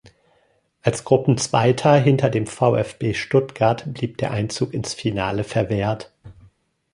Als Gruppenzweiter hinter dem VfB Stuttgart blieb der Einzug ins Finale verwehrt.